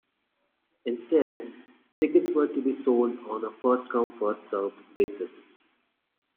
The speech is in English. Instead, tickets were to be sold on a first-come-first-served basis.